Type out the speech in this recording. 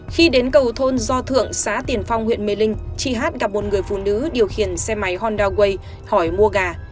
khi đến cầu thôn do thượng xã tiền phong huyện mê linh chị hát gặp một người phụ nữ điều khiển xe máy honda way hỏi mua gà